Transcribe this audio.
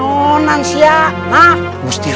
jangan kurang ajar